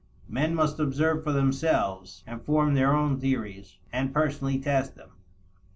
Men must observe for themselves, and form their own theories and personally test them.